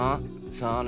さあね。